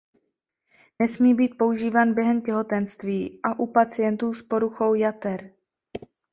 Nesmí být používán během těhotenství a u pacientů s poruchou jater.